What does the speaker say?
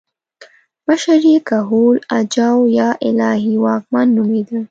مشر یې کهول اجاو یا الهي واکمن نومېده